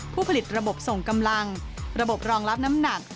ผู้ผลิตระบบส่งกำลังระบบรองรับน้ำหนัก